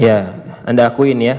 iya anda akuin ya